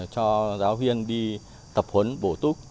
cho giáo viên đi tập huấn bổ túc